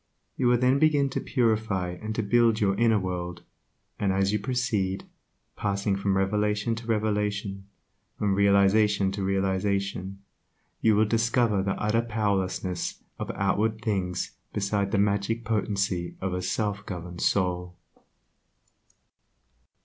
You will then begin to purify and to build your inner world, and as you proceed, passing from revelation to revelation, from realization to realization, you will discover the utter powerlessness of outward things beside the magic potency of a self governed soul.